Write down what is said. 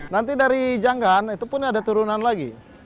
nanti dari janggan itu pun ada turunan lagi